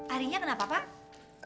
arinya kenapa pak